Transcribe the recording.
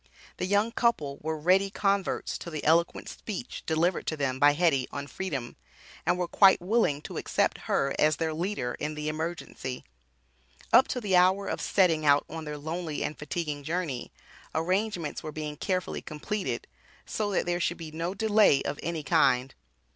The young couple were ready converts to the eloquent speech delivered to them by Hetty on Freedom, and were quite willing to accept her as their leader in the emergency. Up to the hour of setting out on their lonely and fatiguing journey, arrangements were being carefully completed, so that there should be no delay of any kind.